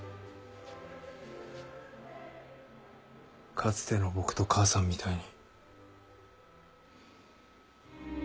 かつての僕と母さんみたいに。